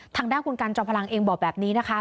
ทางด้านคุณกันจอมพลังเองบอกแบบนี้นะคะ